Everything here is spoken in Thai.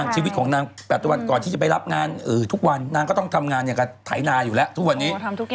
ชีวิตของนาง๘วันก่อนที่จะไปรับงานทุกวันนางก็ต้องทำงานอย่างกับไถนาอยู่แล้วทุกวันนี้